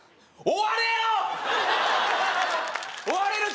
終われる